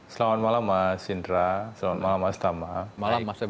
selamat malam mas indra selamat malam mas tama